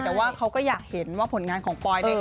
แต่ว่าเขาก็อยากเห็นว่าผลงานของปอยเนี่ย